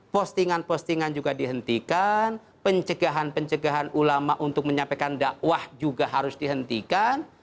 postingan postingan juga dihentikan pencegahan pencegahan ulama untuk menyampaikan dakwah juga harus dihentikan